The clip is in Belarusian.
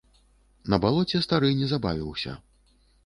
На балоце стары не забавіўся.